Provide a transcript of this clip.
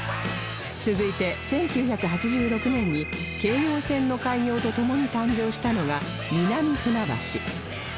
続いて１９８６年に京葉線の開業とともに誕生したのが南船橋